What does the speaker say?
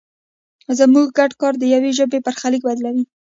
زموږ ګډ کار د یوې ژبې برخلیک بدلوي.